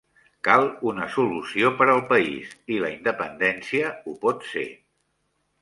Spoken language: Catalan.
Cal una solució per al país, i la independència ho pot ser.